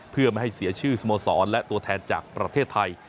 เพื่อไม่ให้เสียชื่อสโมสรและตัวแทนจากประเทศไทย